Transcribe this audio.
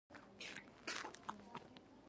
په پورتني نعت کې دا څرګنده شوې ده.